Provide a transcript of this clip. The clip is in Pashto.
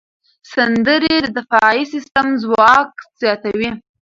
سندرې د دفاعي سیستم ځواک زیاتوي.